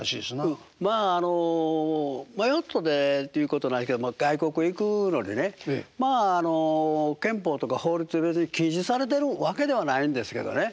うんまああのヨットでっていうことないけど外国行くのにね憲法とか法律で別に禁止されてるわけではないんですけどね